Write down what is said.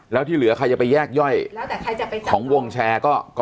แล้วที่เหลือใครจะไปแยกย่อยแล้วแต่ใครจะไปขอของวงแชร์ก็